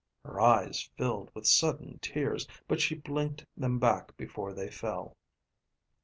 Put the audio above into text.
Her eyes filled with sudden tears, but she blinked them back before they fell.